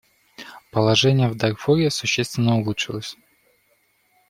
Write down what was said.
Положение в Дарфуре существенно улучшилось.